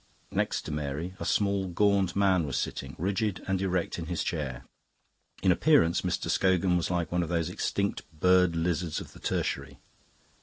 Next to Mary a small gaunt man was sitting, rigid and erect in his chair. In appearance Mr. Scogan was like one of those extinct bird lizards of the Tertiary.